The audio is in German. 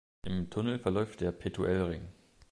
Im Tunnel verläuft der Petuelring.